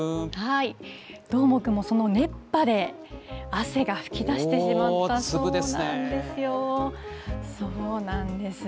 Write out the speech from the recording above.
どーもくんもその熱波で、汗が噴き出してしまったそうなんですよ。